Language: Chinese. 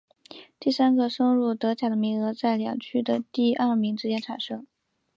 第三个升入德甲的名额在两区的第二名之间产生。